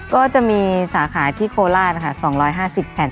ก็จะมีสาขาที่โคราชค่ะ๒๕๐แผ่น